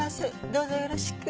どうぞよろしく。